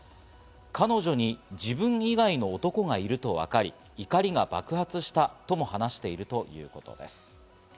彼女に自分以外の男がいると分かり、怒りが爆発したとも話しているということです。